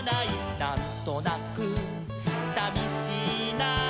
「なんとなくさみしいな」